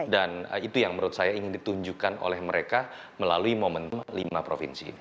dan itu yang menurut saya ingin ditunjukkan oleh mereka melalui mementum lima provinsi